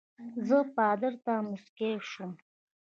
زه پادري ته مسکی شوم.